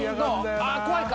ああ怖いか。